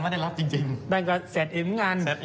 และเซจอิ๋มเงิน